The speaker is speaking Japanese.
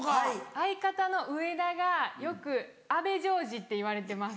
相方の植田がよく安部譲二っていわれてます。